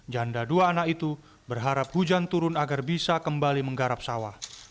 janda dua anak itu berharap hujan turun agar bisa kembali menggarap sawah